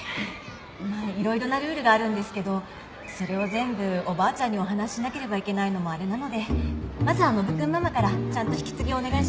まあ色々なルールがあるんですけどそれを全部おばあちゃんにお話ししなければいけないのもあれなのでまずはノブ君ママからちゃんと引き継ぎをお願いします。